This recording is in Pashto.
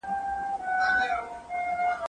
زه پرون زده کړه کوم،